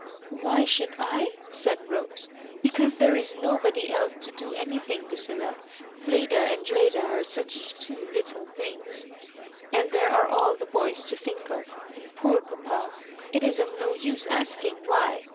"Why should I?" said Rose; "because there is nobody else to do anything, Lucilla. Fleda and Dreda are such two little things; and there are all the boys to think of, and poor pap& It is of no use asking why.